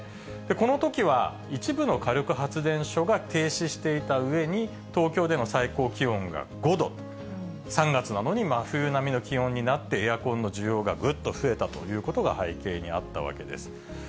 このときは、一部の火力発電所が停止していたうえに、東京での最高気温が５度、３月なのに真冬並みの気温になって、エアコンの需要がぐっと増えたということが背景にあったわけです。